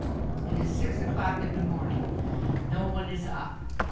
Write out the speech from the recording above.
It is six o'clock in the morning. No one is up.